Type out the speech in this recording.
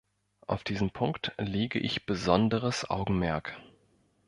Auf diesen Punkt lege ich besonderes Augenmerk.